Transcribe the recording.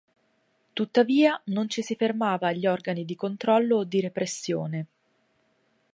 Tuttavia non ci si fermava agli organi di controllo o di repressione.